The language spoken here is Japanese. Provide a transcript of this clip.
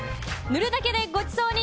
塗るだけでごちそうに！